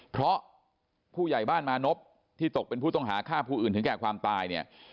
เพราะผู้ใหญ่บ้านมานพที่ตกเป็นผู้ต้องหาฆ่าผู้อื่นถึงแก่ความตายเนี่ย